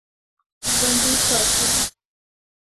ژوندي کار کوي